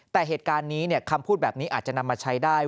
แต่เหตุการณ์นี้คำพูดแบบนี้อาจจะนำมาใช้ได้